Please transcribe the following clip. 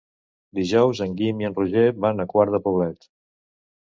Dijous en Guim i en Roger van a Quart de Poblet.